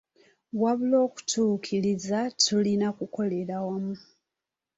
Wabula okutuukiriza tulina kukolera wamu.